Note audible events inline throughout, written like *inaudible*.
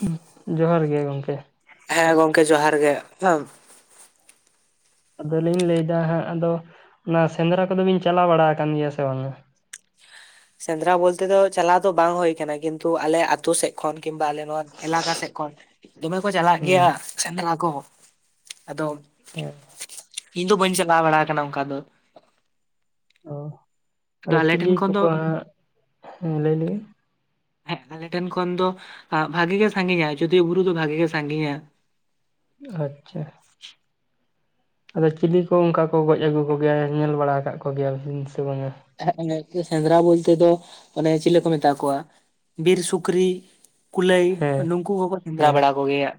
ᱦᱩᱸ ᱡᱚᱦᱟᱨ ᱜᱮ ᱜᱚᱝᱠᱮ᱾ ᱦᱮᱸ ᱜᱚᱝᱠᱮ ᱡᱚᱦᱟᱨ ᱜᱮ᱾ *unintelligible* ᱟᱫᱚᱞᱤᱧ ᱞᱟᱹᱭᱮᱫᱟ ᱦᱟᱸᱜ ᱟᱫᱚ, ᱚᱱᱟ ᱥᱮᱸᱫᱽᱨᱟ ᱠᱚᱫᱚ ᱵᱤᱱ ᱪᱟᱞᱟᱣ ᱵᱟᱲᱟ ᱟᱠᱟᱱ ᱜᱤᱭᱟ ᱥᱮ ᱵᱟᱝᱟ? ᱥᱮᱸᱫᱽᱨᱟ ᱵᱚᱞᱛᱮ ᱫᱚ ᱪᱟᱞᱟᱣ ᱫᱚ ᱵᱟᱝ ᱦᱳᱭ ᱠᱟᱱᱟ ᱠᱤᱱᱛᱩ ᱟᱞᱮ ᱟᱛᱳ ᱥᱮᱜ ᱠᱷᱚᱱ ᱠᱤᱝᱵᱟ ᱟᱞᱮ ᱱᱚᱣᱟ ᱮᱞᱟᱠᱟ ᱥᱮᱜ ᱠᱷᱚᱱ, ᱫᱚᱢᱮ ᱠᱚ ᱪᱟᱞᱟᱜ ᱜᱮᱭᱟ ᱦᱩᱸ ᱥᱮᱸᱫᱽᱨᱟ ᱠᱚ ᱾ᱟᱫᱚ *unintelligible* ᱤᱧ ᱫᱚ ᱵᱟᱹᱧ ᱪᱟᱞᱟᱣ ᱵᱟᱲᱟ ᱠᱟᱱᱟ ᱚᱝᱠᱟ ᱫᱚ᱾ ᱚ ᱟᱫᱚ ᱟᱞᱮ ᱪᱤᱞᱤ ᱴᱷᱮᱱ ᱠᱷᱚᱱ ᱫᱚ ᱠᱚᱠᱚ ᱦᱟᱸᱜ, ᱦᱮᱸ ᱞᱟᱹᱭ *unintelligible* ᱦᱮᱸ ᱟᱞᱮ ᱴᱷᱮᱱ ᱠᱷᱚᱱ ᱫᱚ ᱵᱷᱟᱜᱮ ᱜᱮ ᱥᱟᱺᱜᱤᱧᱟ ᱟᱡᱚᱫᱤᱭᱟᱹ ᱵᱩᱨᱩ ᱫᱚ ᱵᱷᱟᱜᱮ ᱜᱮ ᱥᱟᱺᱜᱤᱧᱟ᱾ ᱟᱪᱪᱷᱟ᱾ ᱟᱫᱚ ᱪᱤᱞᱤ ᱠᱚ ᱚᱝᱠᱟ ᱠᱚ ᱜᱚᱡ ᱟᱹᱜᱩ ᱠᱚ ᱜᱮᱭᱟ ᱧᱮᱞ ᱵᱟᱲᱟ ᱠᱟᱜ ᱠᱚ ᱜᱮᱭᱟ ᱵᱤᱱ ᱥᱮ ᱵᱟᱝᱟ? ᱦᱮᱸᱜ ᱤᱱᱟᱹᱠᱤ ᱥᱮᱸᱫᱽᱨᱟ ᱵᱚᱞᱛᱮ ᱫᱚ ᱚᱱᱮ ᱪᱮᱞᱮ ᱠᱚ ᱢᱮᱛᱟ ᱠᱚᱣᱟ ᱵᱤᱨ ᱥᱩᱠᱨᱤ ᱠᱩᱞᱟᱹᱭ ᱦᱮᱸ ᱱᱩᱠᱩ ᱠᱚᱠᱚ ᱥᱮᱸᱫᱽᱨᱟ ᱦᱮᱸ ᱵᱟᱲᱟ ᱠᱚᱜᱮᱭᱟ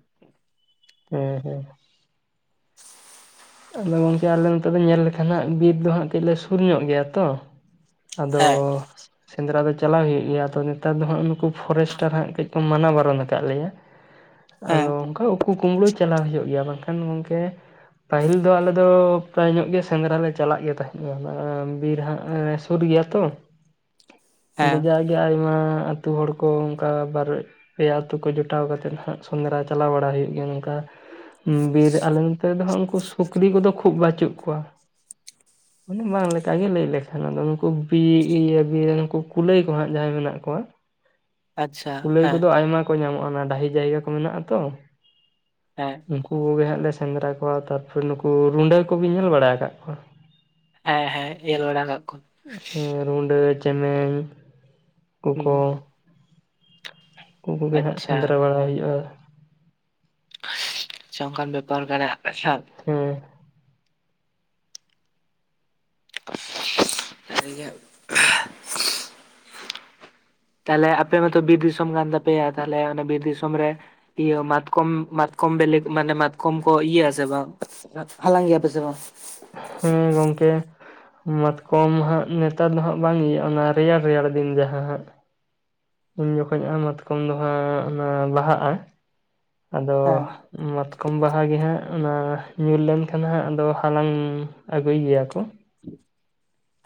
ᱦᱮᱸ ᱦᱮᱸ ᱟᱫᱚ ᱜᱚᱝᱠᱮ ᱟᱞᱮ ᱱᱚᱛᱮ ᱫᱚ ᱧᱮᱞ ᱞᱮᱠᱷᱟᱱ ᱦᱟᱸᱜ ᱵᱤᱨ ᱫᱚ ᱦᱟᱸᱜ ᱠᱟᱹᱡ ᱞᱮ ᱥᱩᱨ ᱧᱚᱜ ᱜᱮᱭᱟ ᱛᱚ ᱦᱮᱸ ᱟᱫᱚ ᱥᱮᱸᱫᱽᱨᱟ ᱫᱚ ᱪᱟᱞᱟᱣ ᱦᱩᱭᱩᱜ ᱜᱮᱭᱟ ᱟᱫᱚ ᱱᱮᱛᱟᱨ ᱫᱚ ᱦᱟᱸᱜ ᱱᱩᱠᱩ ᱯᱷᱚᱨᱮᱥᱴᱟᱨ ᱦᱟᱸᱜ ᱠᱟᱹᱡ ᱠᱚ ᱢᱟᱱᱟ ᱵᱟᱨᱚᱱ ᱠᱟᱫ ᱞᱮᱭᱟ *inaudible* ᱟᱫᱚ ᱚᱱᱠᱟ ᱩᱠᱩ ᱠᱩᱢᱵᱽᱲᱩ ᱪᱟᱞᱟᱣ ᱦᱩᱭᱩᱜ ᱜᱮᱭᱟ ᱵᱟᱝᱠᱷᱟᱱ ᱜᱚᱝᱠᱮ ᱯᱟᱦᱤᱞ ᱫᱚ ᱟᱞᱮ ᱫᱚ ᱯᱨᱟᱭ ᱧᱚᱜ ᱜᱮ ᱥᱮᱸᱫᱽᱨᱟ ᱞᱮ ᱪᱟᱞᱟᱜ ᱜᱮ ᱛᱟᱦᱮᱸᱫᱱᱟ ᱵᱤᱨ ᱦᱟᱸᱜ ᱥᱩᱨ ᱜᱮᱭᱟ ᱛᱚ *inaudible* ᱟᱫᱚ ᱡᱟᱜᱮ ᱟᱭᱢᱟ ᱟᱛᱩ ᱦᱚᱲ ᱠᱚ ᱚᱱᱠᱟ ᱵᱟᱨ ᱯᱮᱭᱟ ᱟᱛᱩ ᱠᱚ ᱡᱚᱴᱟᱣ ᱠᱟᱛᱮᱫ ᱦᱟᱸᱜ ᱥᱮᱸᱫᱽᱨᱟ ᱪᱟᱞᱟᱣ ᱵᱟᱲᱟ ᱦᱩᱭᱩᱜ ᱜᱮᱭᱟ ᱱᱚᱝᱠᱟ ᱵᱤᱨ ᱟᱞᱮ ᱱᱚᱛᱮ ᱫᱚ ᱦᱟᱸᱜ ᱩᱱᱠᱩ ᱥᱩᱠᱨᱤ ᱠᱚᱫᱚ ᱠᱷᱩᱵ ᱵᱟᱪᱩᱜ ᱠᱚᱣᱟ *inaudible* ᱢᱟᱱᱮ ᱵᱟᱝ ᱞᱮᱠᱟ ᱜᱮ ᱞᱟᱹᱭ ᱞᱮᱠᱷᱟᱱ ᱟᱫᱚ ᱱᱩᱠᱩ ᱤᱭᱟᱹ ᱱᱩᱠᱩ ᱠᱩᱞᱟᱹᱭ ᱠᱚ ᱦᱟᱸᱜ ᱡᱟᱦᱟᱸᱭ ᱢᱮᱱᱟᱜ ᱠᱚᱣᱟ *inaudible* ᱠᱩᱞᱟᱹᱭ ᱦᱮᱸ ᱠᱚᱫᱚ ᱟᱭᱢᱟ ᱠᱚ ᱧᱟᱢᱚᱜ-ᱟ ᱚᱱᱟ ᱰᱟᱦᱤ ᱡᱟᱭᱜᱟ ᱠᱚ ᱢᱮᱱᱟᱜ-ᱟ ᱛᱚ ᱦᱮᱸ ᱩᱱᱠᱩ ᱠᱚᱜᱮ ᱦᱟᱸᱜ ᱞᱮ ᱥᱮᱸᱫᱽᱨᱟ ᱠᱚᱣᱟ ᱛᱟᱨᱯᱚᱨᱮ ᱱᱩᱠᱩ ᱨᱩᱸᱰᱟᱹ ᱠᱚᱵᱤᱱ ᱧᱮᱞ ᱵᱟᱲᱟ ᱟᱠᱟᱫ ᱠᱚᱣᱟ ᱦᱮᱸ ᱦᱮᱸ ᱧᱮᱞ ᱵᱟᱲᱟ ᱠᱟᱜ ᱠᱚ ᱦᱮᱸ ᱨᱩᱸᱰᱟᱹ ᱪᱮᱢᱮᱧ ᱦᱩᱸ *unintelligible* ᱩᱱ ᱠᱩᱜᱮ ᱦᱟᱸᱜ ᱟᱪᱪᱷᱟ ᱥᱮᱸᱫᱽᱨᱟ ᱵᱟᱲᱟ ᱦᱩᱭᱩᱜ-ᱟ᱾ ᱟᱪᱪᱷᱟ ᱚᱱᱠᱟᱱ ᱵᱮᱯᱟᱨ ᱠᱟᱱᱟ ᱟᱪᱪᱷᱟ ᱦᱮᱸ *unintelligible* ᱛᱟᱦᱚᱞᱮ ᱟᱯᱮ ᱢᱟᱛᱚ ᱵᱤᱨ ᱫᱤᱥᱚᱢ ᱠᱟᱱ ᱛᱟᱯᱮᱭᱟ ᱛᱟᱦᱚᱞᱮ ᱚᱱᱟ ᱵᱤᱨ ᱫᱤᱥᱚᱢ ᱨᱮ ᱤᱭᱟᱹ ᱢᱟᱛᱠᱚᱢ ᱢᱟᱛᱠᱚᱢ ᱵᱮᱞᱮ ᱠᱚ ᱢᱟᱱᱮ ᱢᱟᱛᱠᱚᱢ ᱠᱚ ᱤᱭᱟᱹ ᱥᱮ ᱵᱟᱝ ᱦᱟᱞᱟᱝ ᱜᱮᱭᱟ ᱯᱮ ᱥᱮ ᱵᱟᱝ ᱦᱮᱸ ᱜᱚᱝᱠᱮ ᱢᱟᱛᱠᱚᱢ ᱦᱟᱸᱜ ᱱᱮᱛᱟᱨ ᱫᱚ ᱦᱟᱸᱜ ᱵᱟᱝ ᱤᱭᱟᱹᱜᱼᱟ ᱚᱱᱟ ᱨᱮᱭᱟᱲ ᱨᱮᱭᱟᱲ ᱫᱤᱱ ᱡᱟᱦᱟᱸ ᱦᱟᱸᱜ ᱩᱱ ᱡᱚᱠᱷᱚᱡ ᱟᱭ ᱢᱟᱛᱠᱚᱢ ᱫᱚ ᱦᱟᱸᱜ ᱚᱱᱟ ᱵᱟᱦᱟᱜ-ᱟ ᱟᱫᱚ ᱦᱮᱸ ᱢᱟᱛᱠᱚᱢ ᱵᱟᱦᱟ ᱜᱮ ᱦᱟᱸᱜ ᱚᱱᱟ ᱧᱩᱨ ᱞᱮᱱᱠᱷᱟᱱ ᱦᱟᱸᱜ ᱟᱫᱚ ᱦᱟᱞᱟᱝ ᱟᱹᱜᱩᱭ ᱜᱮᱭᱟ ᱠᱚ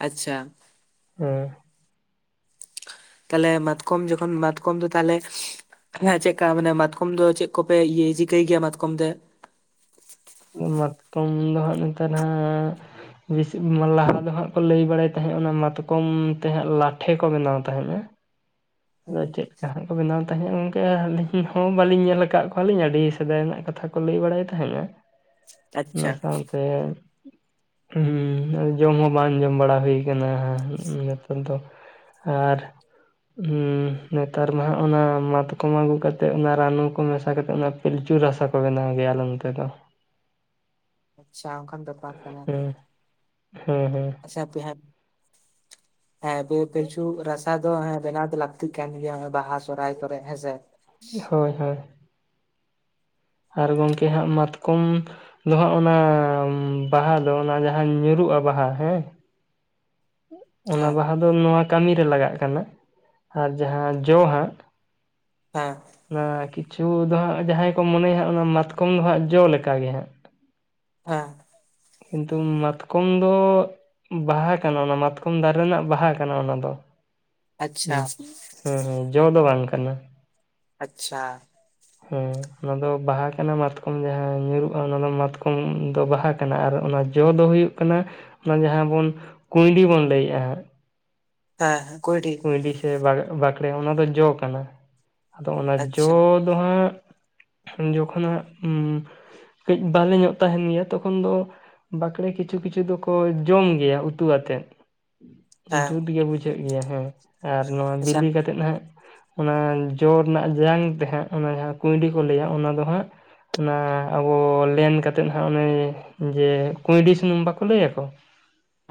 ᱟᱪᱪᱷᱟ ᱦᱮᱸ ᱛᱟᱦᱚᱞᱮ ᱢᱟᱛᱠᱚᱢ ᱡᱚᱠᱷᱚᱱ ᱢᱟᱛᱠᱚᱢ ᱫᱚ ᱛᱟᱦᱚᱞᱮ ᱦᱮᱸ ᱪᱮᱫᱠᱟ ᱢᱟᱱᱮ ᱢᱟᱛᱠᱚᱢ ᱫᱚ ᱪᱮᱫ ᱠᱚᱯᱮ ᱤᱭᱟᱹ ᱪᱤᱠᱟᱹᱭ ᱜᱮᱭᱟ ᱢᱟᱛᱠᱚᱢ ᱛᱮ ᱢᱟᱛᱠᱚᱢ ᱫᱚ ᱦᱟᱸᱜ ᱱᱮᱛᱟᱨ ᱦᱟᱸᱜ ᱵᱤᱥᱤ ᱞᱟᱦᱟ ᱫᱚ ᱦᱟᱸᱜ ᱠᱚ ᱞᱟᱹᱭ ᱵᱟᱲᱟᱭ ᱛᱟᱦᱮᱸᱫ ᱚᱱᱟ ᱢᱟᱛᱠᱚᱢ ᱛᱮᱦᱟᱸᱜ ᱞᱟᱴᱷᱮ ᱠᱚ ᱵᱮᱱᱟᱣ ᱛᱟᱦᱮᱸᱫ-ᱟ ᱟᱫᱚ ᱦᱩᱸ ᱪᱮᱫ ᱞᱮᱠᱟ ᱦᱟᱸᱜ ᱠᱚ ᱵᱮᱱᱟᱣ ᱛᱟᱦᱮᱸᱫ ᱜᱚᱝᱠᱮ ᱟᱹᱞᱤᱧ ᱦᱚᱸ ᱵᱟᱹᱞᱤᱧ ᱧᱮᱞ ᱟᱠᱟᱫ ᱠᱚᱣᱟᱞᱤᱧ ᱟᱹᱰᱤ ᱥᱮᱫᱟᱭ ᱨᱮᱱᱟᱜ ᱠᱟᱛᱷᱟ ᱞᱟᱹᱭ ᱵᱟᱲᱟᱭ ᱛᱟᱦᱮᱸᱱᱟ ᱚᱱᱟ ᱟᱪᱪᱷᱟ ᱥᱟᱶᱛᱮ ᱦᱩᱸ ᱡᱚᱢ ᱦᱚᱸ ᱵᱟᱝ ᱡᱚᱢ ᱵᱟᱲᱟ ᱦᱩᱭ ᱠᱟᱱᱟ ᱱᱮᱛᱟᱨ ᱫᱚ ᱦᱮᱸ ᱟᱨ ᱦᱩᱸ ᱱᱮᱛᱟᱨ ᱢᱟ ᱦᱟᱜ ᱚᱱᱟ ᱢᱟᱛᱠᱚᱢ ᱟᱹᱜᱩ ᱠᱟᱛᱮᱜ ᱚᱱᱟ ᱨᱟᱱᱩ ᱠᱚ ᱢᱮᱥᱟ ᱠᱟᱛᱮᱜ ᱚᱱᱟ ᱯᱤᱞᱪᱩ ᱨᱟᱥᱟ ᱠᱚ ᱵᱮᱱᱟᱣ ᱜᱮᱭᱟ ᱟᱞᱮ ᱱᱚᱛᱮ ᱫᱚ ᱾ ᱟᱪᱪᱷᱟ ᱚᱱᱠᱟᱱ ᱵᱮᱯᱟᱨ ᱾ ᱦᱮᱸ ᱾ *inaudible* ᱦᱮᱸ ᱦᱮᱸ *inaudible* ᱾ ᱦᱮᱸ ᱫᱤᱭᱮ ᱯᱤᱞᱪᱩ ᱨᱟᱥᱟ ᱫᱚ ᱦᱮ ᱵᱮᱱᱟᱣ ᱫᱚ ᱞᱟᱠ ᱛᱤᱜ ᱠᱟᱱ ᱜᱮᱭᱟ ᱱᱚᱜᱼᱚᱭ ᱵᱟᱦᱟ ᱥᱚᱦᱨᱟᱭ ᱠᱚᱨᱮ ᱦᱮᱸ ᱥᱮ ᱾ ᱦᱳᱭ ᱦᱳᱭ ᱾ ᱟᱨ ᱜᱚᱢᱠᱮ ᱦᱟᱸᱜ ᱢᱟᱛᱠᱚᱢ ᱫᱚ ᱦᱟᱸᱜ ᱚᱱᱟ ᱵᱟᱦᱟ ᱫᱚ ᱚᱱᱟ ᱡᱟᱦᱟᱸ ᱧᱩᱨᱩᱜᱼᱟ ᱵᱟᱦᱟ ᱦᱮᱸ ᱚᱱᱟ ᱦᱮᱸ ᱵᱟᱦᱟ ᱫᱚ ᱱᱚᱣᱟ ᱠᱟᱹᱢᱤᱨᱮ ᱞᱟᱜᱟᱜ ᱠᱟᱱᱟ᱾ *inaudible* ᱟᱨ ᱡᱟᱦᱟᱸ ᱡᱚ ᱦᱟᱸᱜ ᱦᱮᱸ *inaudible* ᱚᱱᱟ ᱠᱤ ᱪᱷᱩ ᱫᱚ ᱦᱟᱸᱜ ᱡᱟᱦᱟᱸᱭ ᱠᱚ ᱢᱚᱱᱮᱭᱟ ᱦᱟᱸᱜ ᱚᱱᱟ ᱢᱟᱛᱠᱚᱢ ᱫᱚ ᱦᱟᱸᱜ ᱡᱚ ᱞᱮᱠᱟ ᱜᱮ ᱦᱟᱸᱜ ᱾ ᱦᱮᱸ ᱾ ᱠᱤᱱᱛᱩ ᱢᱟᱛᱠᱚᱢ ᱫᱚ ᱵᱟᱦᱟ ᱠᱟᱱᱟ ᱚᱱᱟ ᱢᱟᱛᱠᱚᱢ ᱫᱟᱨᱮ ᱨᱮᱱᱟᱜ ᱵᱟᱦᱟ ᱠᱟᱱᱟ ᱚᱱᱟ ᱫᱚ ᱾ ᱟᱪᱪᱷᱟ ᱦᱮᱸ ᱾ ᱦᱮᱸ ᱦᱮᱸ ᱡᱚ ᱫᱚ ᱵᱟᱝ ᱠᱟᱱᱟ ᱾ ᱟᱪᱪᱷᱟ ᱾ ᱦᱮᱸ ᱚᱱᱟ ᱫᱚ ᱵᱟᱦᱟ ᱠᱟᱱᱟ ᱢᱟᱛᱠᱚᱢ ᱡᱟᱦᱟᱸ ᱧᱩᱨᱩᱜᱼᱟ ᱚᱱᱟ ᱫᱚ ᱢᱟᱛᱠᱚᱢ ᱫᱚ ᱵᱟᱦᱟ ᱠᱟᱱᱟ ᱟᱨ ᱚᱱᱟ ᱡᱚ ᱫᱚ ᱦᱩᱭᱩᱜ ᱠᱟᱱᱟ ᱚᱱᱟ ᱡᱟᱦᱟᱸ ᱵᱚᱱ ᱠᱩᱸᱭᱰᱤ ᱵᱚᱱ ᱞᱟᱹᱭᱮᱜᱼᱟ ᱾ ᱦᱮᱸ ᱦᱮᱸ ᱠᱩᱸᱭᱰᱤ ᱾ ᱠᱩᱸᱭᱰᱤ ᱥᱮ ᱵᱟ-ᱵᱟᱸᱠᱲᱮ ᱚᱱᱟ ᱫᱚ ᱡᱚ ᱠᱟᱱᱟ ᱾ *inaudible* ᱟᱫᱚ ᱚᱱᱟ ᱡᱚ ᱟᱪᱪᱷᱟ ᱫᱚ ᱦᱟᱸᱜ ᱡᱚᱠᱷᱚᱱ ᱦᱟᱜ ᱩᱸ ᱠᱟᱹᱡ ᱵᱟᱞᱮ ᱧᱚᱜ ᱛᱟᱦᱮᱱ ᱜᱮᱭᱟ ᱛᱚᱠᱷᱚᱱ ᱫᱚ ᱵᱟᱠᱲᱮ ᱠᱤᱪᱷᱩ ᱠᱤᱪᱷᱩ ᱫᱚᱠᱚ ᱡᱚᱢ ᱜᱮᱭᱟ ᱩᱛᱩ ᱟᱛᱮᱫ ᱾ ᱦᱮᱸ ᱡᱩᱛ ᱜᱮ ᱵᱩᱡᱷᱟᱹᱜ ᱜᱮᱭᱟ ᱦᱮᱸ᱾ ᱟᱨ ᱱᱚᱣᱟ ᱟᱪᱪᱷᱟ ᱵᱤᱞᱤ ᱠᱟᱛᱮᱫ ᱦᱟᱸᱜ ᱚᱱᱟ ᱡᱚ ᱨᱮᱱᱟᱜ ᱡᱟᱝ ᱛᱮ ᱦᱟᱸᱜ ᱚᱱᱟ ᱡᱟᱦᱟᱸ ᱠᱩᱸᱭᱰᱤ ᱠᱚ ᱞᱟᱹᱭᱟ ᱚᱱᱟ ᱫᱚ ᱦᱟᱸᱜ ᱚᱱᱟ ᱟᱵᱚ ᱞᱮᱱ ᱠᱟᱛᱮᱜ ᱦᱟᱜ ᱚᱱᱮ ᱡᱮ ᱠᱩᱸᱭᱰᱤ ᱥᱩᱱᱩᱢ ᱵᱟᱠᱚ ᱞᱟᱹᱭ ᱟᱠᱚ?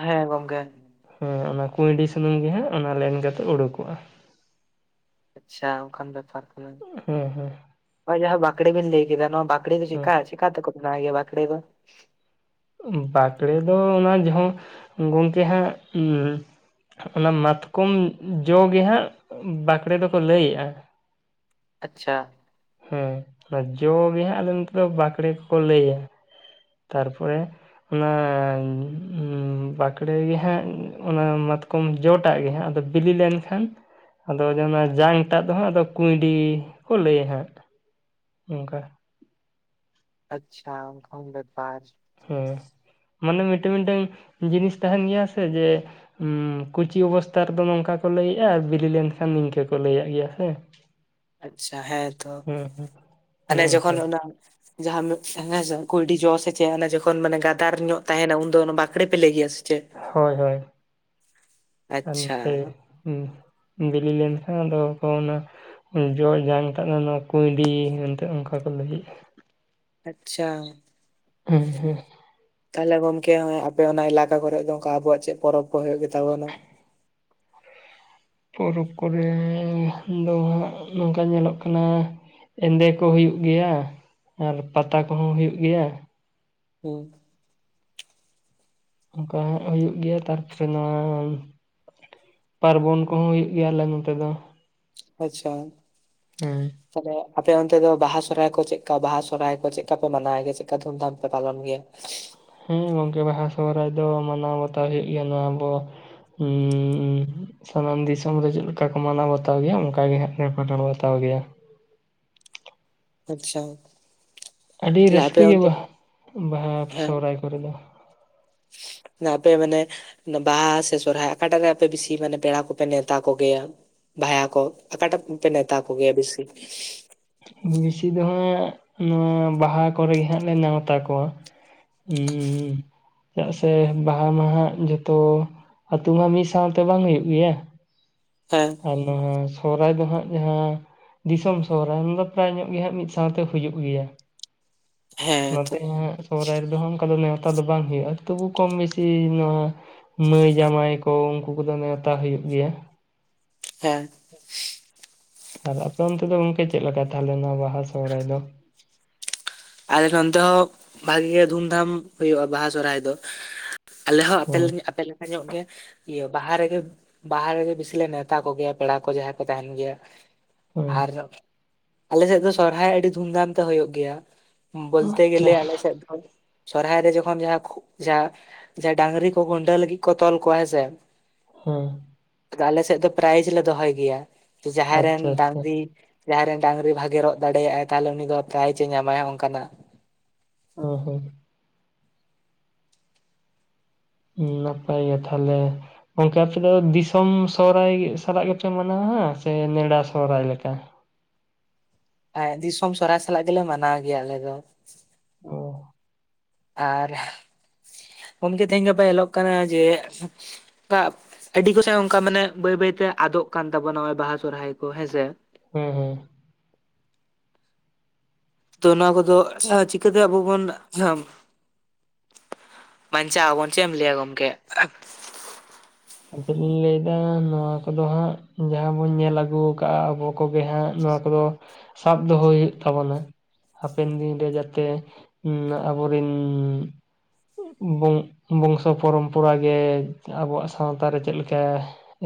ᱦᱮᱸ ᱜᱚᱝᱠᱮ ᱾ ᱦᱮᱸ ᱚᱱᱟ ᱠᱩᱸᱭᱰᱤ ᱥᱩᱱᱩᱢ ᱜᱮ ᱦᱟᱸᱜ ᱚᱱᱟ ᱞᱮᱱ ᱠᱟᱛᱮᱜ ᱩᱰᱩᱠᱚᱜᱼᱟ ᱾ ᱟᱪᱪᱷᱟ ᱚᱱᱠᱟᱱ ᱵᱮᱯᱟᱨ ᱠᱟᱱᱟ ᱾ ᱦᱮᱸ ᱦᱮᱸ ᱾ ᱦᱳᱭ ᱡᱟᱦᱟᱸ ᱵᱟᱠᱲᱮ ᱵᱤᱱ ᱞᱟᱹᱭ ᱠᱮᱫᱟ, ᱱᱚᱣᱟ ᱵᱟᱠᱲᱮ ᱫᱚ ᱦᱮᱸ ᱪᱤᱠᱠᱟ ᱪᱮᱠᱟ ᱛᱮᱠᱚ ᱵᱮᱱᱟᱣ ᱜᱮᱭᱟ ᱵᱟᱠᱲᱮ ᱫᱚ? ᱵᱟᱠᱲᱮ ᱫᱚ ᱚᱱᱟ ᱡᱟᱦᱟᱸ ᱜᱚᱢᱠᱮ ᱦᱟᱸᱜ ᱚᱱᱟ ᱢᱟᱛᱠᱚᱢ ᱡᱚ ᱜᱮ ᱦᱟᱸᱜ ᱵᱟᱠᱲᱮ ᱫᱚᱠᱚ ᱞᱟᱹᱭᱮᱜᱼᱟ ᱾ ᱟᱪᱪᱷᱟ ᱾ ᱦᱮᱸ ᱚᱱᱟ ᱡᱚ ᱜᱮ ᱦᱟᱸᱜ ᱟᱞᱮ ᱱᱚᱛᱮ ᱫᱚ ᱵᱟᱠᱲᱮ ᱠᱚᱠᱚ ᱞᱟᱹᱭᱟ ᱾ ᱛᱟᱨᱯᱚᱨᱮ ᱚᱱᱟ ᱵᱟᱠᱲᱮ ᱜᱮ ᱦᱟᱸᱜ ᱚᱱᱟ ᱢᱟᱛ ᱠᱚᱢ ᱡᱚᱴᱟᱜ ᱜᱮ ᱦᱟᱸᱜ ᱟᱫᱚ ᱵᱤᱞᱤ ᱞᱮᱱᱠᱷᱟᱱ ᱟᱫᱚ ᱡᱮ ᱚᱱᱟ ᱡᱟᱝᱴᱟᱜ ᱫᱚ ᱦᱟᱸᱜ ᱟᱫᱚ ᱠᱩᱸᱭᱰᱤ ᱠᱚ ᱞᱟᱹᱭᱟ ᱦᱟᱸᱜ ᱾ ᱚᱱᱠᱟ ᱾ ᱟᱪᱪᱷᱟ, ᱚᱱᱠᱟᱱ ᱵᱮᱯᱟᱨ ᱾ ᱦᱮᱸ, *inaudible* ᱢᱟᱱᱮ ᱢᱤᱫᱴᱟᱝ ᱢᱤᱫᱴᱟᱝ ᱡᱤᱱᱤᱥ ᱛᱟᱦᱮᱱ ᱜᱮᱭᱟ ᱥᱮ ᱡᱮ ᱦᱮᱸ ᱠᱩᱪᱤ ᱚᱵᱚᱥᱛᱟ ᱨᱮᱫᱚ ᱱᱚᱝᱠᱟ ᱠᱚ ᱞᱟᱹᱭᱮᱜᱼᱟ ᱾ ᱟᱨ ᱵᱤᱞᱤ ᱞᱮᱱᱠᱷᱟᱱ ᱱᱤᱝᱠᱟᱹ ᱠᱚ ᱞᱟᱹᱭᱭᱟᱜ ᱜᱮᱭᱟ ᱦᱮᱸ ᱾ *inaudible* ᱟᱪᱪᱷᱟ ᱦᱮᱸ ᱛᱚ ᱾ *inaudible* ᱚᱱᱮ ᱢᱟᱱᱮ ᱡᱚᱠᱷᱚᱱ ᱚᱱᱠᱟ ᱚᱱᱟ ᱡᱟᱦᱟᱸ ᱦᱮᱸᱥᱮ ᱠᱩᱭᱰᱤ ᱡᱚ ᱥᱮ ᱪᱮᱜ ᱡᱚᱠᱷᱚᱱ ᱜᱟᱫᱟᱨ ᱧᱚᱜ ᱛᱟᱦᱮᱱᱟ ᱩᱱᱫᱚ ᱚᱱᱟ ᱵᱟᱸᱠᱲᱮ ᱯᱮ ᱞᱟᱹᱭ ᱜᱮᱭᱟ ᱥᱮ ᱪᱮᱫ ᱦᱳᱭ ᱦᱳᱭ ᱟᱪᱪᱷᱟ ᱮᱱᱛᱮ ᱦᱩᱸ ᱵᱤᱞᱤ ᱞᱮᱱ ᱠᱷᱟᱱ ᱟᱫᱚ ᱠᱚ ᱚᱱᱟ ᱡᱚ ᱡᱟᱝᱛᱟᱜᱱᱟ ᱱᱚᱣᱟ ᱠᱩᱸᱭᱰᱤ ᱮᱱᱛᱮᱜ ᱚᱱᱠᱟ ᱠᱚ ᱞᱟ. ᱜᱤᱫ ᱾ ᱟᱪᱪᱷᱟ ᱦᱮᱸ ᱦᱮᱸ ᱛᱟᱦᱚᱞᱮ ᱜᱚᱝᱠᱮ ᱟᱯᱮ ᱚᱱᱟ ᱮᱞᱟᱠᱟ ᱠᱚᱨᱮ ᱫᱚ ᱚᱝᱠᱟ ᱟᱵᱚᱣᱟᱜ ᱪᱮᱫ ᱯᱚᱨᱚᱵᱽ ᱠᱚ ᱦᱩᱭᱩᱜ ᱜᱮᱛᱟᱵᱚᱱᱟ? ᱯᱚᱨᱚᱵᱽ ᱠᱚᱨᱮ ᱫᱚ ᱱᱚᱝᱠᱟ ᱧᱮᱞᱚᱜ ᱠᱟᱱᱟ ᱮᱸᱫᱮ ᱠᱚ ᱦᱩᱭᱩᱜ ᱜᱮᱭᱟ ᱟᱨ ᱯᱟᱛᱟ ᱠᱚᱦᱚᱸ ᱦᱩᱭᱩᱜ ᱜᱮᱭᱟ ᱾ ᱦᱮᱸ ᱚᱱᱠᱟ ᱦᱟᱸᱜ ᱦᱩᱭᱩᱜ ᱜᱮᱭᱟ ᱛᱟᱨᱯᱚᱨᱮ ᱱᱚᱣᱟ ᱯᱟᱨᱵᱚᱱ ᱠᱚᱦᱚᱸ ᱦᱩᱭᱩᱜ ᱜᱮᱭᱟ ᱟᱞᱮ ᱱᱚᱛᱮ ᱫᱚ ᱾ ᱟᱪᱪᱷᱟ ᱦᱮᱸ ᱟᱫᱚ ᱟᱯᱮ ᱚᱱᱛᱮ ᱫᱚ ᱵᱟᱦᱟ ᱥᱚᱨᱦᱟᱭ ᱠᱚ ᱪᱮᱫᱠᱟ ᱵᱟᱦᱟ ᱥᱚᱨᱦᱟᱭ ᱠᱚ ᱪᱮᱫᱠᱟ ᱯᱮ ᱢᱟᱱᱟᱣ ᱜᱮᱭᱟ ᱪᱮᱫᱠᱟ ᱫᱷᱩᱢᱫᱷᱟᱢ ᱯᱮ ᱯᱟᱞᱚᱱ ᱜᱮᱭᱟ *inaudible* ᱦᱮᱸ ᱜᱚᱝᱠᱮ ᱵᱟᱦᱟ ᱥᱚᱦᱚᱨᱟᱭ ᱫᱚ ᱢᱟᱱᱟᱣ ᱵᱟᱛᱟᱣ ᱦᱩᱭᱩᱜ ᱜᱮᱭᱟ ᱱᱚᱣᱟ ᱟᱵᱚᱼᱼ ᱥᱟᱱᱟᱢ ᱫᱤᱥᱚᱢ ᱨᱮ ᱪᱮᱫ ᱞᱮᱠᱟ ᱠᱚ ᱢᱟᱱᱟᱣ ᱵᱟᱛᱟᱣ ᱜᱮᱭᱟ ᱚᱱᱠᱟᱜ ᱜᱮ ᱦᱟᱸᱜ ᱞᱮ ᱢᱟᱱᱟᱣ ᱵᱟᱛᱟᱣ ᱜᱮᱭᱟ ᱟᱪᱪᱷᱟ ᱟᱹᱰᱤ ᱛᱟᱦᱞᱮ ᱟᱯᱮ ᱨᱟᱹᱥᱠᱟᱹ ᱜᱮ ᱚᱱᱛᱮ ᱵᱟᱦᱟ ᱦᱮᱸ ᱥᱚᱦᱨᱟᱭ ᱠᱚᱨᱮ ᱫᱚ ᱟᱯᱮ ᱢᱟᱱᱮ ᱵᱟᱦᱟ ᱥᱮ ᱥᱚᱨᱦᱟᱭ ᱚᱴᱟᱜ ᱨᱮ ᱟᱯᱮ ᱵᱮᱥᱤ ᱢᱟᱱᱮ ᱯᱮᱲᱟ ᱠᱚᱯᱮ ᱱᱮᱣᱛᱟ ᱠᱚ ᱜᱮᱭᱟ ᱵᱷᱟᱭᱟ ᱠᱚ ᱚᱠᱟᱴᱟᱜ ᱯᱮ ᱱᱮᱣᱛᱟ ᱠᱚ ᱜᱮᱭᱟ ᱵᱮᱥᱤ ᱵᱮᱥᱤ ᱫᱚ ᱦᱟᱸᱜ ᱱᱚᱣᱟ ᱵᱟᱦᱟ ᱠᱚᱨᱮᱜᱮ ᱦᱟᱸᱜ ᱞᱮ ᱱᱮᱣᱛᱟ ᱠᱚᱣᱟ ᱦᱩᱸ ᱪᱮᱫᱟᱜ ᱥᱮ ᱵᱟᱦᱟ ᱢᱟᱦᱟᱜ ᱡᱚᱛᱚ ᱟᱛᱳ ᱢᱟ ᱢᱤᱫ ᱥᱟᱶᱛᱮ ᱵᱟᱝ ᱦᱩᱭᱩᱜ ᱜᱮᱭᱟ ᱦᱮᱸ ᱟᱨ ᱱᱚᱣᱟ ᱥᱚᱦᱦᱟᱭ ᱫᱚ ᱦᱟᱸᱜ ᱡᱟᱦᱟᱸ ᱫᱤᱥᱚᱢ ᱥᱚᱦᱨᱟᱭ ᱚᱱᱟ ᱫᱚ ᱯᱨᱟᱭ ᱧᱚᱜ ᱜᱮ ᱦᱟᱸᱜ ᱢᱤᱫ ᱥᱟᱶᱛᱮ ᱦᱩᱭᱩᱜ ᱜᱮᱭᱟ ᱦᱮᱸ ᱛᱚ ᱱᱚᱛᱮ ᱦᱟᱜ ᱥᱚᱦᱚᱨᱟᱭ ᱨᱮᱫᱚ ᱚᱱᱠᱟ ᱫᱚ ᱱᱮᱶᱛᱟ ᱫᱚ ᱵᱟᱝ ᱦᱩᱭᱩᱜᱼᱟ ᱛᱚᱵᱩ ᱠᱚᱢ ᱵᱮᱥᱤ ᱱᱚᱣᱟᱼᱼ ᱢᱟᱹᱭ ᱡᱟᱶᱟᱭ ᱠᱚ ᱩᱱᱠᱩ ᱠᱚᱫᱚ ᱱᱮᱣᱛᱟ ᱦᱩᱭᱩᱜ ᱜᱮᱭᱟ ᱦᱮᱸ ᱟᱨ ᱟᱯᱮ ᱚᱱᱛᱮ ᱫᱚ ᱜᱚᱝᱠᱮ ᱪᱮᱫᱞᱮᱠᱟ ᱛᱟᱦᱮ ᱱᱚᱣᱟ ᱵᱟᱦᱟ ᱥᱚᱦᱨᱟᱭ ᱫᱚ ᱟᱞᱮ ᱚᱱᱛᱮ ᱦᱚᱸ ᱵᱷᱟᱜᱮ ᱜᱮ ᱫᱷᱩᱢᱫᱷᱟᱢ ᱦᱩᱭᱩᱜᱼᱟ ᱵᱟᱦᱟ ᱥᱚᱨᱦᱟᱭ ᱫᱚ ᱟᱞᱮ ᱦᱚᱸ ᱦᱮᱸ ᱟᱯᱮ ᱞᱮᱠᱟ ᱧᱚᱜ ᱜᱮ ᱤᱭᱟᱹ ᱵᱟᱦᱟ ᱨᱮᱜᱮᱼᱼ ᱵᱟᱦᱟ ᱨᱮᱜᱮ ᱵᱮᱥᱤ ᱞᱮ ᱱᱮᱣᱛᱟ ᱠᱚᱜᱮᱭᱟ ᱯᱮᱲᱟ ᱠᱚ ᱡᱟᱦᱟᱸᱭ ᱠᱚ ᱛᱟᱦᱮᱱ ᱜᱮᱭᱟ ᱦᱮᱸ ᱟᱨ ᱟᱞᱮᱥᱮᱫ ᱫᱚ ᱥᱚᱨᱦᱟᱭ ᱟᱹᱰᱤ ᱫᱷᱩᱢᱫᱷᱟᱢ ᱛᱮ ᱦᱩᱭᱩᱜ ᱜᱮᱭᱟ ᱵᱚᱞᱛᱮ ᱟᱪᱪᱷᱟ ᱜᱮᱞᱮ ᱟᱞᱮ ᱥᱮᱫ ᱫᱚ ᱥᱚᱨᱦᱟᱭ ᱨᱮ ᱡᱚᱠᱷᱚᱱ ᱡᱟᱦᱟᱸ ᱡᱟᱦᱟᱸᱼᱼ ᱡᱟᱦᱟᱭ ᱰᱟᱝᱨᱤ ᱠᱚ ᱠᱷᱩᱱᱴᱟᱹᱣ ᱞᱟᱹᱜᱤᱫ ᱠᱚ ᱛᱚᱞ ᱠᱚᱣᱟ ᱦᱮᱸᱥᱮ ᱦᱮᱸ ᱟᱞᱮ ᱥᱮᱫ ᱫᱚ ᱯᱨᱟᱭᱤᱡᱽ ᱞᱮ ᱫᱚᱦᱚᱭ ᱜᱮᱭᱟ ᱡᱟᱦᱟᱸᱭ ᱨᱮᱱ ᱟᱪᱪᱷᱟ ᱟᱪᱪᱷᱟ ᱰᱟᱝᱨᱤ ᱡᱟᱦᱟᱸ ᱨᱮᱱ ᱰᱟᱝᱨᱤ ᱵᱷᱟᱜᱮ ᱨᱚᱜ ᱫᱟᱲᱮᱭᱟᱜᱼᱟᱭ ᱛᱟᱦᱚᱞᱮ ᱩᱱᱤ ᱫᱚ ᱯᱨᱟᱭᱤᱡᱽ ᱮ ᱧᱟᱢᱟᱭ ᱚᱱᱠᱟᱱᱟᱜ ᱚ ᱦᱚᱸ ᱱᱟᱯᱟᱭ ᱜᱮ ᱛᱟᱦᱚᱞᱮ ᱜᱚᱝᱠᱮ ᱟᱯᱮ ᱫᱚ ᱫᱤᱥᱚᱢ ᱥᱚᱦᱨᱟᱭ ᱥᱟᱞᱟᱜ ᱜᱮᱯᱮ ᱢᱟᱱᱟᱣᱟ ᱥᱮ ᱱᱮᱰᱟ ᱥᱚᱦᱨᱟᱭ ᱞᱮᱠᱟ ᱮᱫ ᱫᱤᱥᱚᱢ ᱥᱚᱨᱦᱟᱭ ᱥᱟᱞᱟᱜ ᱜᱮᱞᱮ ᱢᱟᱱᱟᱣ ᱜᱮᱭᱟ ᱟᱞᱮ ᱫᱚ ᱚ ᱟᱨ ᱜᱚᱢᱠᱮ *unintelligible* ᱛᱮᱦᱤᱧ ᱜᱟᱯᱟ ᱧᱮᱞᱚᱜ ᱠᱟᱱᱟ ᱡᱮᱼ ᱚᱱᱠᱟ ᱟᱹᱰᱤ ᱠᱚᱥᱮ ᱚᱱᱠᱟ ᱢᱟᱱᱮ ᱵᱟᱹᱭ ᱵᱟᱹᱭᱛᱮ ᱟᱫᱚᱜ ᱠᱟᱱ ᱛᱟᱵᱚᱱᱟ ᱱᱚᱜᱚᱭ ᱵᱟᱦᱟ ᱥᱚᱨᱦᱟᱭ ᱠᱚ ᱦᱮᱸᱥᱮ᱾ ᱦᱮᱸ ᱦᱩᱸ, ᱛᱚ ᱱᱚᱣᱟ ᱠᱚᱫᱚ ᱪᱤᱠᱟᱹᱛᱮ ᱟᱵᱚ ᱵᱚᱱ *unintelligible* ᱵᱟᱧᱪᱟᱣ ᱟᱵᱚᱱ ᱪᱮᱫ ᱮᱢ ᱞᱟᱹᱭ ᱟ ᱜᱚᱢᱠᱮ? ᱟᱫᱚᱞᱤᱧ ᱞᱟᱹᱭᱮᱫᱟ ᱱᱚᱣᱟ ᱠᱚᱫᱚ ᱦᱟᱸᱜ ᱡᱟᱦᱟᱸ ᱵᱚᱱ ᱧᱮᱞ ᱟᱹᱜᱩ ᱟᱠᱟᱫᱟ ᱟᱵᱚ, ᱠᱚᱜᱮ ᱦᱟᱸᱜ ᱱᱚᱣᱟ ᱠᱚᱫᱚ ᱥᱟᱵ ᱫᱚᱦᱚᱭ ᱦᱩᱭᱩᱜ ᱛᱟᱵᱚᱱᱟ, ᱦᱟᱯᱮᱱ ᱫᱤᱱᱨᱮ ᱡᱟᱛᱮ, ᱟᱵᱚᱨᱤᱱᱼ ᱵᱚᱝ ᱵᱚᱝᱥᱚ ᱯᱚᱨᱚᱢᱯᱚᱨᱟ ᱜᱮ ᱟᱵᱚᱣᱟᱜᱼ ᱥᱟᱶᱛᱟ ᱨᱮ ᱪᱮᱫ ᱞᱮᱠᱟ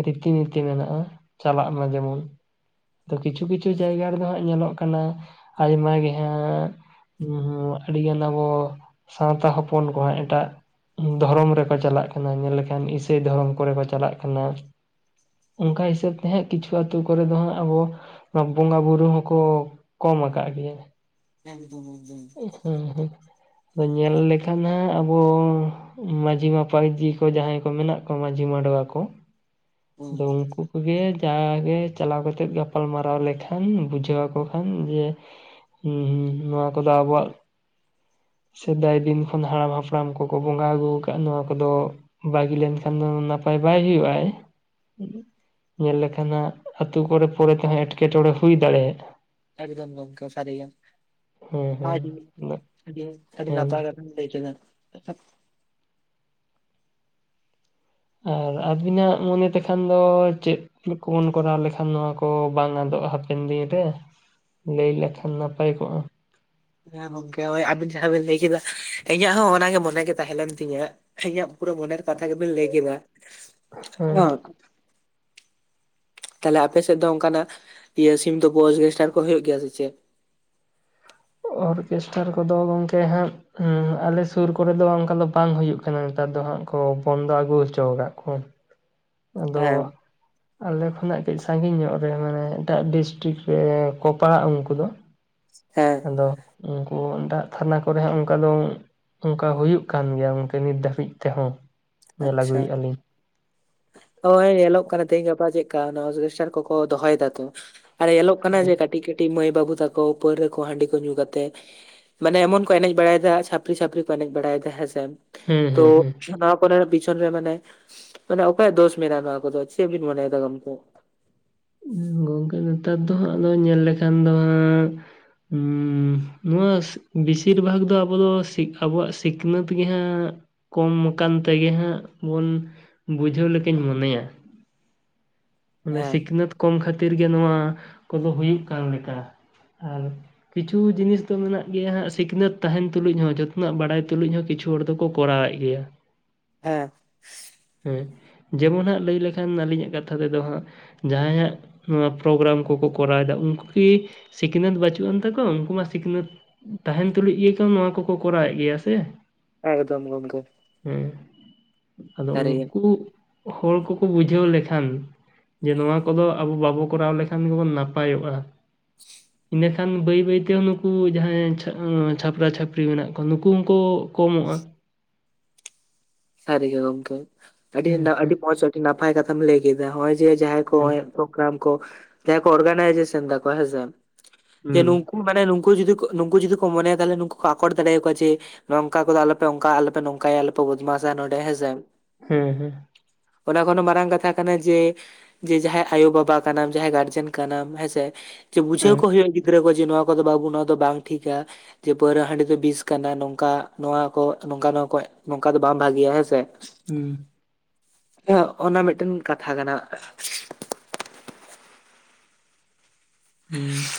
ᱨᱤᱛᱤ ᱱᱤᱛᱤ ᱢᱮᱱᱟᱜᱼᱟ, ᱪᱟᱞᱟᱜ ᱢᱟ ᱡᱮᱢᱚᱱ ᱛᱚ ᱠᱤᱪᱷᱩ ᱠᱤᱪᱷᱩ ᱡᱟᱭᱜᱟ ᱨᱮᱫᱚ ᱦᱟᱸᱜ ᱧᱮᱞᱚᱜ ᱠᱟᱱᱟ, ᱟᱭᱢᱟ ᱜᱮ ᱦᱟᱸᱜᱼᱼ ᱦᱩᱸ ᱦᱩᱸ ᱟᱹᱰᱤᱜ ᱜᱟᱱ ᱟᱵᱚ, ᱥᱟᱶᱛᱟ ᱦᱚᱯᱚᱱ ᱠᱚᱦ ᱮᱴᱟᱜ ᱫᱷᱚᱨᱚᱢ ᱨᱮᱠᱚ ᱪᱟᱞᱟᱜ ᱠᱟᱱᱟ, ᱧᱮᱞ ᱞᱮᱠᱷᱟᱱ ᱤᱥᱼᱼ ᱥᱮ *unintelligible* ᱫᱷᱚᱨᱚᱢ ᱠᱚᱨᱮ ᱠᱚ ᱪᱟᱞᱟᱜ ᱠᱟᱱᱟ᱾ ᱚᱱᱠᱟ ᱦᱤᱥᱟᱹᱵ ᱛᱮᱦᱟᱸᱜ ᱠᱤᱪᱷᱩ ᱟᱹᱛᱩ ᱠᱚᱨᱮ ᱫᱚ ᱦᱟᱸᱜ ᱟᱵᱚ, ᱚᱱᱟ ᱵᱚᱸᱜᱟ ᱵᱩᱨᱩ ᱦᱚᱸᱠᱚ ᱠᱚᱢ ᱟᱠᱟᱫ ᱜᱮᱭᱟ᱾ ᱮᱫ ᱮᱫᱚᱢ *unintelligible* ᱦᱮᱸ ᱦᱮᱸ *unintelligible* ᱧᱮᱞ ᱞᱮᱠᱷᱟᱱ ᱦᱟᱸᱜ ᱟᱵᱚ ᱢᱟᱺᱡᱷᱤ ᱢᱟᱯᱟᱡᱤ ᱠᱚ ᱡᱟᱦᱟᱸᱭ ᱠᱚ ᱢᱮᱱᱟᱜ ᱠᱚᱣᱟ᱾ ᱢᱟᱹᱡᱷᱤ ᱢᱟᱰᱣᱟ ᱠᱚ, *unintelligible* ᱟᱫᱚ ᱩᱱᱠᱩ ᱜᱮ ᱡᱟᱜᱮ ᱪᱟᱞᱟᱣ ᱠᱟᱛᱮᱫ ᱜᱟᱯᱟᱞᱢᱟᱨᱟᱣ ᱞᱮᱠᱷᱟᱱ ᱵᱩᱡᱷᱟᱹᱣ ᱟᱠᱚ ᱠᱷᱟᱱ, ᱡᱮ ᱦᱩᱸ ᱦᱩᱸ ᱱᱚᱣᱟ ᱠᱚᱫᱚ ᱟᱵᱚᱣᱟᱜ, ᱥᱮᱫᱟᱭ ᱫᱤᱱ ᱠᱷᱚᱱ ᱦᱟᱲᱟᱢ ᱦᱟᱯᱲᱟᱢ ᱠᱚᱠᱚ ᱵᱚᱸᱜᱟ ᱟᱹᱜᱩ ᱟᱠᱟᱫ ᱟ, ᱱᱚᱣᱟ ᱠᱚᱫᱚ ᱵᱟᱹᱜᱤ ᱞᱮᱱᱠᱷᱟᱱ ᱟᱢᱫᱚᱢ ᱱᱟᱯᱟᱭ ᱵᱟᱭ ᱦᱩᱭᱩᱜᱼᱟᱭ, ᱧᱮᱞ ᱞᱮᱠᱷᱟᱱ ᱦᱟᱸᱜ, ᱟᱹᱛᱩ ᱠᱚᱨᱮ ᱯᱚᱨᱮ ᱛᱮᱦᱚᱸ ᱮᱴᱠᱮᱴᱚᱬᱮ ᱦᱩᱭ ᱫᱟᱲᱮᱭᱟᱜᱼᱟ᱾ ᱮᱠᱫᱚᱢ ᱜᱚᱢᱠᱮ ᱥᱟᱨᱤᱭᱟ ᱦᱮᱸ *unintelligible* ᱦᱮᱸ ᱟᱹᱰᱤ ᱟᱹᱰᱤ ᱦᱮᱸ ᱱᱟᱯᱟᱭ ᱞᱟᱭᱠᱮᱫᱟ *unintelligible* ᱟᱨ ᱟᱵᱤᱱᱟᱜ ᱢᱚᱱᱮ ᱛᱮᱠᱷᱟᱱ ᱫᱚ ᱪᱮᱫ, ᱪᱮᱫ ᱠᱚᱵᱚᱱ ᱠᱚᱨᱟᱣ ᱞᱮᱠᱷᱟᱱ ᱱᱚᱣᱟ ᱠᱚ ᱵᱟᱝ ᱟᱫᱚᱜᱼᱟ ᱦᱟᱯᱮᱱ ᱫᱤᱱ ᱨᱮ, ᱞᱟᱹᱭ ᱞᱮᱠᱷᱟᱱ ᱱᱟᱯᱟᱭ ᱠᱚᱜᱼᱟ? ᱦᱮᱸ ᱜᱚᱝᱠᱮ ᱱᱚᱜᱚᱭ ᱟᱵᱤᱱ ᱡᱟᱦᱟᱸ ᱵᱤᱱ ᱞᱟᱹᱭ ᱠᱮᱫᱟ ᱤᱧᱟᱹᱜ ᱦᱚᱸ ᱚᱱᱟᱜᱮ ᱢᱚᱱᱮ ᱜᱮ ᱛᱟᱦᱮᱸ ᱞᱮᱱ ᱛᱤᱧᱟ᱾ ᱤᱧᱟᱹᱜ ᱯᱩᱨᱟᱹ ᱢᱚᱱᱮᱨ ᱠᱟᱛᱷᱟ ᱜᱮᱵᱤᱱ ᱞᱟᱹᱭ ᱠᱮᱫᱟ ᱾ *unintelligible* ᱦᱮᱸ ᱦᱚ ᱛᱟᱦᱞᱮ ᱟᱯᱮ ᱥᱮᱫ ᱫᱚ ᱚᱱᱠᱟᱱᱟᱜ, ᱤᱭᱟᱹ ᱥᱤᱢ ᱛᱩᱯᱩᱜ ᱚᱨᱜᱮᱥᱴᱟᱨ ᱠᱚ ᱦᱩᱭᱩᱜ ᱜᱮᱭᱟ ᱥᱮ ᱪᱮᱫ? ᱚᱨᱠᱮᱥᱴᱨᱟᱨ ᱠᱚᱫᱚ ᱜᱚᱢᱠᱮ ᱦᱟᱸᱜ ᱦᱮᱸ ᱟᱞᱮ ᱥᱩᱨ ᱠᱚᱨᱮ ᱫᱚ ᱚᱱᱠᱟ ᱫᱚ ᱵᱟᱝ ᱦᱩᱭᱩᱜ ᱠᱟᱱᱟ ᱱᱮᱛᱟᱨ ᱫᱚ ᱦᱟᱸᱜ ᱠᱚ ᱵᱚᱱᱫᱚ ᱟᱹᱜᱩ ᱦᱚᱪᱚᱣᱟᱠᱟᱫ ᱠᱚᱣᱟ᱾ *inaudible* ᱟᱫᱚ, ᱦᱮᱸ ᱟᱞᱮ ᱠᱷᱚᱱᱟᱜ ᱠᱟᱹᱡ ᱥᱟᱺᱜᱤᱧ ᱧᱚᱜ ᱨᱮ ᱢᱟᱱᱮ ᱮᱴᱟᱜ ᱰᱤᱥᱴᱤᱠ ᱨᱮᱠᱚ ᱯᱟᱲᱟᱜᱼᱟ ᱩᱱᱠᱩ ᱫᱚ, ᱦᱮᱸ, ᱟᱫᱚ ᱩᱱᱠᱩ ᱮᱴᱟᱜ ᱛᱷᱟᱱᱟ ᱠᱚᱨᱮ ᱦᱚᱸ ᱚᱱᱠᱟ ᱫᱚᱪ ᱚᱱᱠᱟ ᱦᱩᱭᱩᱜ ᱠᱟᱱ ᱜᱮᱭᱟ ᱜᱚᱝᱠᱮ ᱱᱤᱛ ᱫᱷᱟᱹᱵᱤᱡ ᱛᱮᱦᱚᱸ᱾ ᱧᱮᱞ ᱟᱪᱪᱷᱟ, ᱟᱹᱜᱩᱭᱮᱫᱼᱟ ᱞᱤᱧ ᱦᱚᱭ ᱮᱞᱚᱜ ᱠᱟᱱᱟ ᱛᱮᱦᱤᱧ ᱜᱟᱯᱟ ᱪᱮᱫ ᱞᱮᱠᱟ ᱚᱜᱮᱥᱴᱟᱨ ᱠᱚᱠᱚ ᱫᱚᱦᱚᱭ ᱫᱟ ᱛᱚ, ᱟᱨ ᱧᱮᱞᱚᱜ ᱠᱟᱱᱟ ᱡᱮ ᱠᱟᱹᱴᱤᱡ ᱠᱟᱹᱴᱤᱡ ᱢᱟᱹᱭ ᱵᱟᱹᱵᱩ ᱛᱟᱠᱚ ᱯᱟᱹᱣᱨᱟᱹᱠᱚ ᱦᱟᱺᱰᱤ ᱠᱚ ᱧᱩ ᱠᱟᱛᱮᱫ, ᱢᱟᱱᱮ ᱮᱢᱚᱱ ᱠᱚ ᱮᱱᱮᱡ ᱵᱟᱲᱟᱭᱮᱫᱟ ᱪᱷᱟᱯᱨᱤ ᱪᱷᱟᱯᱨᱤ ᱠᱚ ᱮᱱᱮᱡ ᱵᱟᱲᱟᱭᱮᱫᱟ ᱦᱮᱸᱥᱮ, ᱦᱮᱸ ᱛᱚ ᱦᱮᱸ ᱦᱮᱸ ᱥᱟᱱᱟᱢ ᱚᱱᱟ ᱯᱤᱪᱷᱚᱱ ᱨᱮ ᱢᱟᱱᱮ ᱢᱟᱱᱮ ᱚᱠᱚᱭᱟᱜ ᱫᱳᱥ ᱢᱮᱱᱟᱜᱼᱟ ᱱᱚᱣᱟ ᱠᱚᱫᱚ ᱪᱮᱫ ᱵᱤᱱ ᱢᱚᱱᱮᱭ ᱫᱟ ᱜᱚᱝᱠᱮ? ᱜᱚᱝᱠᱮ ᱱᱮᱛᱟᱨ ᱫᱚ ᱦᱟᱸᱜ ᱟᱫᱚ ᱧᱮᱞ ᱞᱮᱠᱷᱟᱱ ᱫᱚ ᱦᱟᱸᱜ ᱩᱸ ᱱᱚᱣᱟᱥ ᱵᱮᱥᱤᱨ ᱵᱷᱟᱜᱽ ᱫᱚ ᱟᱵᱚ ᱫᱚ ᱥᱤᱠᱷᱟ ᱟᱵᱚᱣᱟᱜ ᱥᱤᱠᱷᱱᱟᱹᱛ ᱜᱮᱦᱟᱸᱜ ᱠᱚᱢ ᱟᱠᱟᱱ ᱛᱮᱜᱮ ᱦᱟᱸᱜ ᱵᱚᱱ ᱵᱩᱡᱷᱟᱹᱣ ᱞᱮᱠᱟᱧ ᱢᱚᱱᱮᱭᱟ ᱢᱟᱱᱮ ᱦᱮᱸ ᱥᱤᱠᱷᱱᱟᱹᱛ ᱠᱚᱢ ᱠᱷᱟᱹᱛᱤᱨ ᱜᱮ ᱱᱚᱣᱟ ᱠᱚᱫᱚ ᱦᱩᱭᱩᱜ ᱠᱟᱱ ᱞᱮᱠᱟ ᱟᱨ ᱠᱤᱪᱷᱩ ᱡᱤᱱᱤᱥ ᱫᱚ ᱢᱮᱱᱟᱜ ᱜᱮᱭᱟ ᱦᱟᱸᱜ ᱥᱤᱠᱷᱱᱟᱹᱛ ᱛᱟᱦᱮᱱ ᱛᱩᱞᱩᱡ ᱦᱚᱸ ᱡᱚᱛᱚᱱᱟᱜ ᱵᱟᱲᱟᱭ ᱛᱩᱞᱩᱡ ᱦᱚᱸ ᱠᱤᱪᱷᱩ ᱦᱚᱲ ᱫᱚᱠᱚ ᱠᱚᱨᱟᱣᱮᱫ ᱜᱮᱭᱟ ᱦᱮᱸ ᱦᱮᱸ ᱡᱮᱢᱚᱱ ᱦᱟᱸᱜ ᱞᱟᱹᱭ ᱞᱮᱠᱷᱟᱱ ᱟᱹᱞᱤᱧᱟᱜ ᱠᱟᱛᱷᱟ ᱫᱚ ᱫᱚ ᱦᱟᱸᱜ ᱡᱟᱦᱟᱸᱭ ᱦᱟᱜ ᱱᱚᱣᱟ ᱯᱨᱳᱜᱨᱟᱢ ᱠᱚᱠᱚ ᱠᱚᱨᱟᱣᱮᱫᱟ ᱩᱱᱠᱩ ᱠᱤ ᱥᱤᱠᱷᱱᱟᱹᱛ ᱵᱟᱹᱪᱩᱜ ᱟᱱ ᱛᱟᱠᱚ ᱩᱱᱠᱩ ᱢᱟ ᱥᱤᱠᱷᱱᱟᱹᱛ ᱛᱟᱸᱦᱮᱱ ᱛᱩᱞᱩᱡ ᱜᱮᱛᱚ ᱱᱚᱣᱟ ᱠᱚᱠᱚ ᱠᱚᱨᱟᱣᱮᱫ ᱜᱮᱭᱟ ᱥᱮ ᱮᱠᱫᱚᱢ ᱜᱚᱝᱠᱮ ᱦᱮᱸ ᱟᱫᱚ ᱩᱱᱠᱩ ᱦᱚᱲ ᱠᱚᱠᱚ ᱵᱩᱡᱷᱟᱹᱣ ᱞᱮᱠᱷᱟᱱ ᱡᱮ ᱱᱚᱣᱟ ᱠᱚᱫᱚ ᱟᱵᱚ ᱵᱟᱵᱚ ᱠᱚᱨᱟᱣ ᱞᱮᱠᱷᱟᱱ ᱜᱮᱵᱚᱱ ᱱᱟᱯᱟᱭᱚᱜᱼᱟ᱾ ᱥ ᱤᱱᱟᱹᱠᱷᱟᱱ ᱵᱟᱹᱭ ᱵᱟᱹᱭ ᱛᱮ ᱱᱩᱠᱩ ᱡᱟᱦᱟᱸᱭ ᱪᱷᱟ ᱪᱷᱟᱯᱨᱟ ᱪᱷᱟᱹᱯᱨᱤ ᱢᱮᱱᱟᱜ ᱠᱚᱣᱟ ᱱᱩᱠᱩ ᱦᱚᱸᱠᱚ ᱠᱚᱢᱚᱜᱼᱟ ᱥᱟᱹᱨᱤᱜᱮ ᱜᱚᱝᱠᱮ ᱟᱹᱰᱤ ᱦᱮᱸ ᱱᱟᱜ ᱦᱮᱸ ᱟᱹᱰᱤ ᱢᱚᱸᱡᱽ ᱟᱹᱰᱤ ᱱᱟᱯᱟᱭ ᱠᱟᱛᱷᱟᱢ ᱞᱟᱹᱭ ᱠᱮᱫᱟ ᱱᱚᱜᱚᱭ ᱡᱮ ᱡᱟᱦᱟᱸᱭ ᱠᱚ ᱦᱮᱸ ᱦᱚᱜᱚᱭ ᱯᱨᱚᱜᱨᱟᱢ ᱠᱚ ᱡᱟᱦᱟᱸᱭ ᱠᱚ ᱚᱨᱜᱟᱱᱟᱭᱡᱮᱥᱚᱱ ᱫᱟᱠᱚ ᱦᱮᱸᱥᱮ ᱡᱮᱱᱩ ᱦᱮᱸ ᱠᱩ ᱢᱟᱱᱮ ᱱᱩᱠᱩ ᱡᱩᱫᱤ ᱠᱚ ᱢᱚᱱᱮᱭᱟ ᱛᱟᱦᱚᱞᱮ ᱱᱩᱠᱩ ᱠᱚ ᱟᱠᱚᱴ ᱫᱟᱲᱮᱭᱟᱠᱚᱣᱟ ᱡᱮ ᱱᱚᱝᱠᱟ ᱠᱚᱫᱚ ᱟᱞᱚᱯᱮ ᱚᱝᱠᱟ ᱟᱞᱚᱯᱮ ᱱᱚᱝᱠᱟᱭᱟ ᱟᱞᱚᱯᱮ ᱵᱚᱫᱢᱟᱥᱟ ᱱᱚᱰᱮ ᱦᱮᱸᱥᱮ ᱦᱮᱸ ᱦᱮᱸ ᱚᱱᱟ ᱠᱷᱚᱱ ᱦᱚᱸ ᱢᱟᱨᱟᱝ ᱠᱟᱛᱷᱟ ᱠᱟᱱᱟ ᱡᱮ ᱡᱮ ᱡᱟᱦᱟᱸᱭ ᱟᱭᱳ ᱵᱟᱵᱟ ᱠᱟᱱᱟᱢ ᱡᱟᱦᱟᱸᱭ ᱜᱟᱨᱡᱮᱱ ᱠᱟᱱᱟᱢ ᱦᱮᱸᱥᱮ ᱡᱮ ᱵᱩᱡᱷᱟᱹᱣ ᱦᱮᱸ ᱦᱮᱸ ᱠᱚ ᱦᱩᱭᱩᱜᱼᱟ ᱡᱩ ᱜᱤᱫᱽᱨᱟᱹ ᱠᱚ ᱡᱮ ᱱᱚᱣᱟ ᱠᱚᱫᱚ ᱵᱟᱵᱩ ᱱᱚᱣᱟ ᱫᱚ ᱵᱟᱝ ᱴᱷᱤᱠᱟ᱾ ᱡᱮ ᱯᱟᱹᱣᱨᱟᱹ ᱦᱟᱺᱰᱤ ᱫᱚ ᱵᱤᱥ ᱠᱟᱱᱟ ᱱᱚᱝᱠᱟ ᱱᱚᱣᱟ ᱠᱚ ᱱᱚᱝᱠᱟ ᱱᱚᱣᱟ ᱠᱚ ᱠᱟ ᱫᱚ ᱵᱟᱝ ᱵᱷᱟᱜᱮᱭᱟ ᱦᱮᱸ ᱥᱮ ᱦᱩᱸ ᱦᱮ ᱚᱱᱟ ᱢᱤᱫᱴᱮᱱ ᱠᱟᱛᱷᱟ ᱠᱟᱱᱟ ᱦᱩᱸ